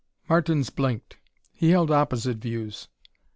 Martins blinked. He held opposite views.